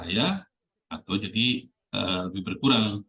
lebih berbahaya atau jadi lebih berkurang